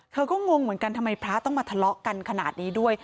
เธอก็งงเหมือนกันทำไมพระต้องมาทะเลาะกันขนาดนี้ด้วย